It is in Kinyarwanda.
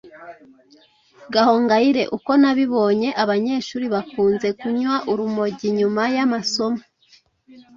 Gahongayire: Uko nabibonye, abanyeshuri bakunze kunywa urumogi nyuma y’amasomo,